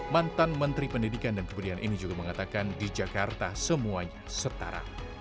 mantan menteri pendidikan dan kebudayaan ini juga mengatakan di jakarta semuanya setara